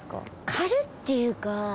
「軽っ」っていうか